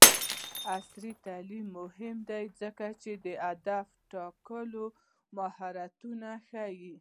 عصري تعلیم مهم دی ځکه چې د هدف ټاکلو مهارتونه ښيي.